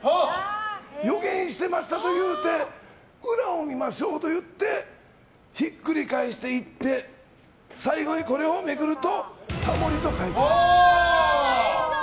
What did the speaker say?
予言してましたと言うて裏を見ましょうと言うてひっくり返していって最後にこれをめくるとタモリと書いてある。